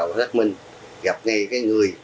của xác minh gặp ngay cái người